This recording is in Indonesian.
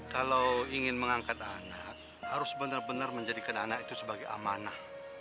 kalau ingin mengangkat anak harus benar benar menjadikan anak itu sebagai amanah